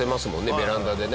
ベランダでね。